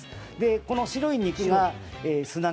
この白い肉が砂肝。